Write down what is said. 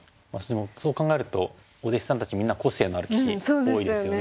そう考えるとお弟子さんたちみんな個性のある棋士多いですよね。